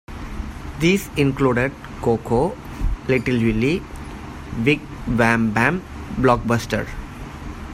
These included "Co-Co", "Little Willy", "Wig-Wam Bam", "Blockbuster!